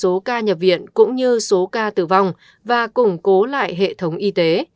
đồng thời kéo giảm số ca nhập viện cũng như số ca tử vong và củng cố lại hệ thống y tế